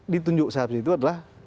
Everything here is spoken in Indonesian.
ditunjuk saat itu adalah